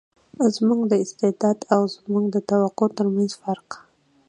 زموږ د استعداد او زموږ د توقع تر منځ فرق.